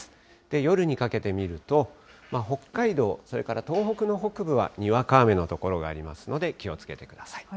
夜にかけて見ると、北海道、それから東北の北部はにわか雨の所がありますので、気をつけてください。